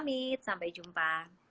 amit sampai jumpa